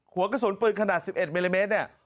หัวกระสุนปืนขนาด๑๑มิลลิเมตรเนี่ย